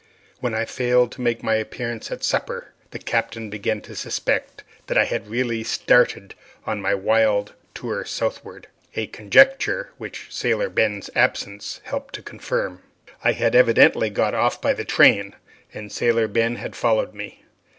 When I failed to make my appearance at supper, the Captain began to suspect that I had really started on my wild tour southward a conjecture which Sailor Ben's absence helped to confirm. I had evidently got off by the train and Sailor Ben had followed me.